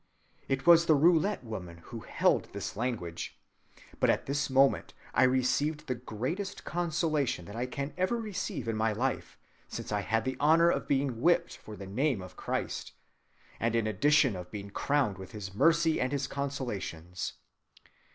It was the Roulette woman who held this language. But at this moment I received the greatest consolation that I can ever receive in my life, since I had the honor of being whipped for the name of Christ, and in addition of being crowned with his mercy and his consolations.